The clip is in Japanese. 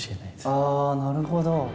あなるほど。